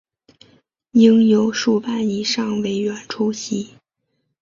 应有半数以上委员出席